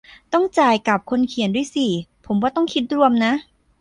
ต้องจ่ายกลับคนเขียนด้วยสิ ผมว่าต้องคิดรวมนะ